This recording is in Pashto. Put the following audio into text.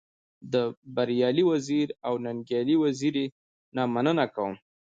د بريالي وزيري او ننګيالي وزيري نه مننه کوم.